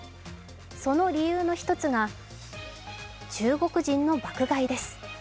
その理由の一つが中国人の爆買いです。